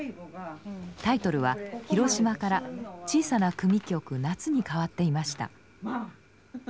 タイトルは「ヒロシマ」から「小さな組曲夏」に変わっていました。